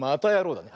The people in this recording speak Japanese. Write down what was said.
だね。